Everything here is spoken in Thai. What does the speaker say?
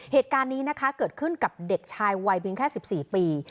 เหตุการณ์นี้นะคะเกิดขึ้นกับเด็กชายวัยเพียงแค่๑๔ปี